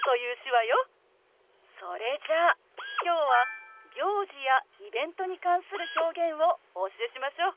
それじゃあ今日は行事やイベントに関する表現をお教えしましょう！